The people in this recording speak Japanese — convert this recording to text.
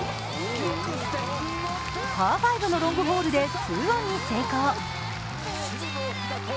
パー５のロングホールで２オンに成功。